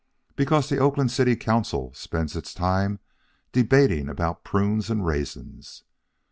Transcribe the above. Because the Oakland City Council spends its time debating about prunes and raisins.